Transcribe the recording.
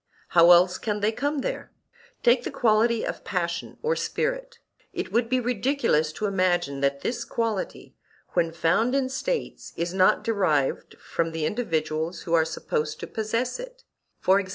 —how else can they come there? Take the quality of passion or spirit;—it would be ridiculous to imagine that this quality, when found in States, is not derived from the individuals who are supposed to possess it, e.g.